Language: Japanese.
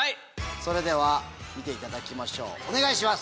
それでは見ていただきましょうお願いします！